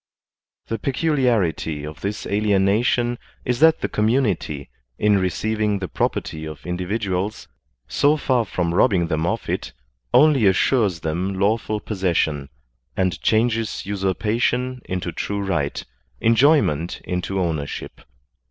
The peculiarity of this alienation is that the community, in receiving the property of individuals, so far from rob bing them of it, only assures them lawful possession, and changes usurpation into true right, enjoyment into ownership.